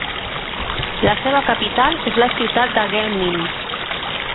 La seva capital és la ciutat de Guelmim.